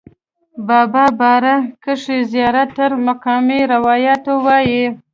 د بابا باره کښې زيات تره مقامي روايات وائي